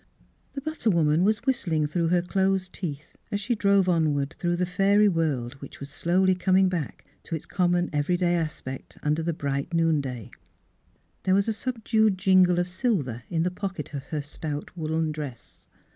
The butter woman was whistling through her closed teeth as she drove on ward through the fairy world which was slowly coming back to its common, every day aspect under the bright noonday. There was a subdued jingle of silver in the pocket of her stout woollen dress.